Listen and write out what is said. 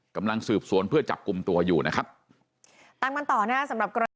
กำลังสืบสวนเพื่อจับกลุ่มตัวอยู่นะครับตามกันต่อนะฮะสำหรับกรณี